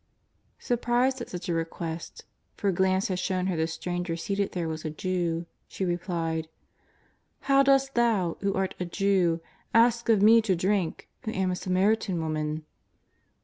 '^ Surprised at such a request, for a glance had shown her the Stranger seated there was a Jew, she replied :" How dost Thou, who art a Jew, ask of me to drink who am a Samaritan woman